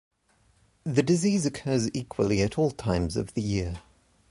The disease occurs equally at all times of the year.